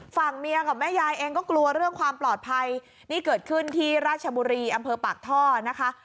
ฝั่งเมียกับแม่ยายเองก็กลัวเรื่องความปลอดภัยนี่เกิดขึ้นที่ราชบุรีอำเภอปากท่อนะคะ